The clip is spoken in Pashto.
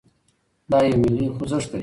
دا يو ملي خوځښت دی.